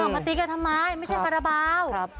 มาตีกันทำไมไม่ใช่คาราบาล